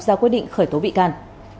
ra quyết định khởi tố bị can